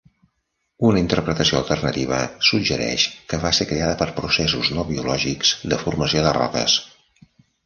Una interpretació alternativa suggereix que va ser creada per processos no biològics de formació de roques.